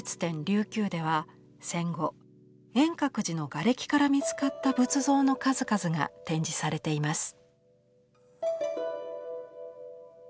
琉球では戦後円覚寺のがれきから見つかった仏像の数々が展示されています。